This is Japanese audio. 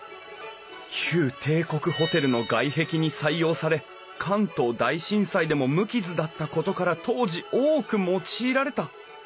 旧帝国ホテルの外壁に採用され関東大震災でも無傷だったことから当時多く用いられた。